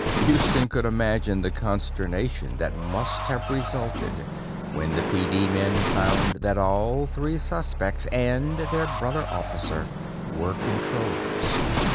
Houston could imagine the consternation that must have resulted when the PD men found that all three suspects and their brother officer were Controllers.